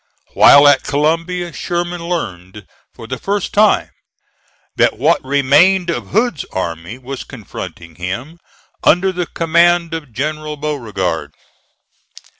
While at Columbia, Sherman learned for the first time that what remained of Hood's army was confronting him, under the command of General Beauregard.